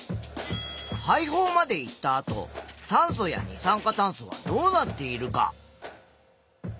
肺胞まで行ったあと酸素や二酸化炭素はどうなっているか？